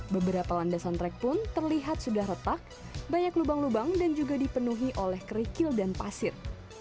beberapa landasan trek pun terlihat sudah retak banyak lubang lubang dan juga dipenuhi oleh kerikil dan pasir